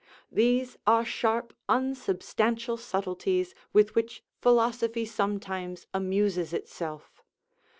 These are sharp, unsubstantial subleties, with which philosophy sometimes amuses itself.